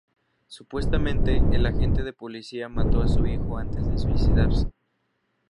Supuestamente, el agente de policía mató a su hijo antes de suicidarse.